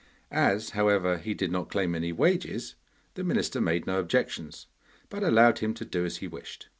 As, however, he did not claim any wages, the minister made no objections, but allowed him to do as he wished.